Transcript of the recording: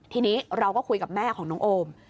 ทีนี้เราก็คุยกับแม่ของน้องโอม